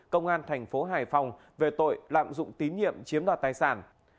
công an thành phố hải phòng về tội lạm dụng tín nhiệm chiếm đoạt tài sản